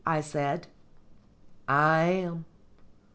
I said. "I am."